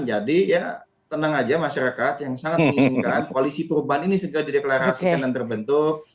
jadi ya tenang aja masyarakat yang sangat inginkan koalisi perubahan ini segera dideklarasikan dan terbentuk